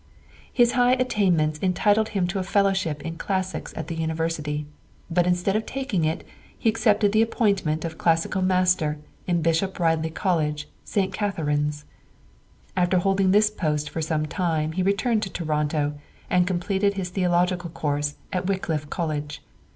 His high attainments entitled him to a fellowship in classics at the University, but instead of taking it he accepted the appointment of Classical Master in Bishop Ridley College, St. Catharines. After holding this post for some time he returned to Toronto, and completed his theological course at Wycliffe College.